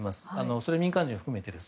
それは民間人を含めてです。